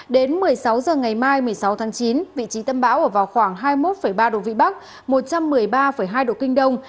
đến một mươi sáu h ngày mai một mươi sáu tháng chín vị trí tâm bão ở vào khoảng hai mươi một ba độ vĩ bắc một trăm một mươi ba hai độ kinh đông